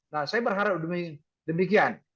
nah saya berharap demikian